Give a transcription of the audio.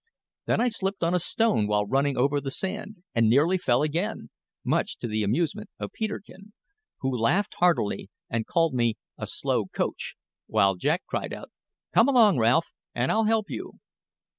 Then I slipped on a stone while running over the sand and nearly fell again, much to the amusement of Peterkin, who laughed heartily and called me a "slow coach;" while Jack cried out, "Come along, Ralph, and I'll help you!"